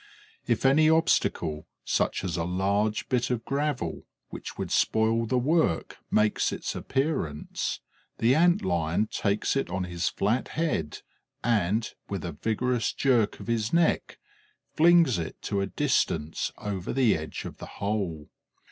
If any obstacle, such as a large bit of gravel, which would spoil the work, makes its appearance, the Ant lion takes it on his flat head and, with a vigorous jerk of his neck, flings it to a distance over the edge of the hole.